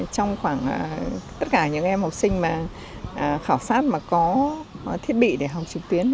trong khoảng tất cả những em học sinh khảo sát có thiết bị để học trực tuyến